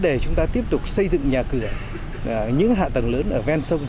để chúng ta tiếp tục xây dựng nhà cửa những hạ tầng lớn ở ven sông